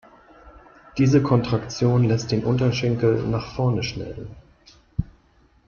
Diese Kontraktion lässt den Unterschenkel nach vorne schnellen.